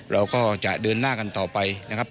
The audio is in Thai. เราก็จะเดินหน้ากันต่อไปนะครับ